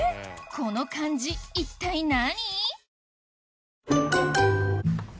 この漢字一体何？